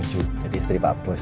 setuju jadi istri pak bos